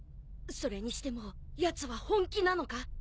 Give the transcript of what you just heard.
それにしてもやつは本気なのか？